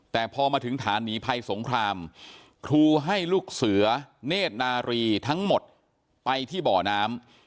แต่พอมาถึงฐานหนีภัยสงครามครูให้ลูกเสือเนธนารีทั้งหมดไปที่บ่อน้ำ